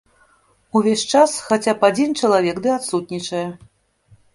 Увесь час хаця б адзін чалавек ды адсутнічае.